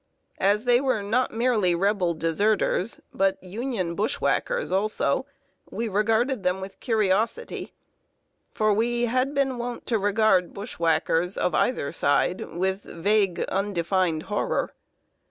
As they were not merely Rebel deserters, but Union bushwhackers also, we scanned them with curiosity; for we had been wont to regard bushwhackers, of either side, with vague, undefined horror.